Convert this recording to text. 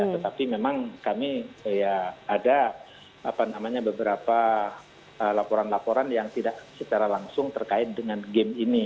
tetapi memang kami ya ada beberapa laporan laporan yang tidak secara langsung terkait dengan game ini